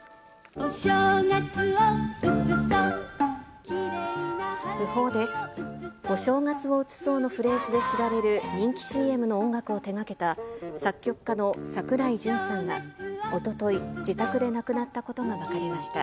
お正月を写そうのフレーズで知られる人気ＣＭの音楽を手がけた、作曲家の桜井順さんがおととい、自宅で亡くなったことが分かりました。